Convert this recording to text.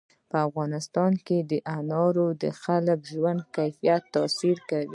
په افغانستان کې انار د خلکو د ژوند په کیفیت تاثیر کوي.